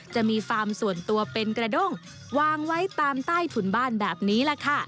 จะมีฟาร์มส่วนตัวเป็นกระด้งวางไว้ตามใต้ถุนบ้านแบบนี้แหละค่ะ